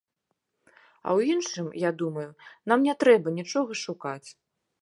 А ў іншым, я думаю, нам не трэба нічога шукаць.